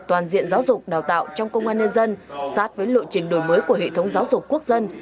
toàn diện giáo dục đào tạo trong công an nhân dân sát với lộ trình đổi mới của hệ thống giáo dục quốc dân